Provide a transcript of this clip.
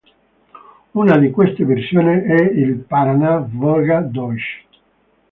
Una di queste versioni è il Paraná-Wolga-Deutsch.